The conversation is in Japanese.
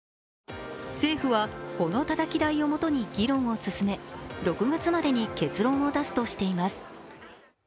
政府は、このたたき台をもとに議論を進め、６月までに結論を出すとしています